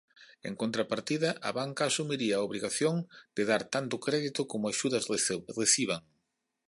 En contrapartida a banca asumiría a obrigación de dar tanto crédito como axudas reciban.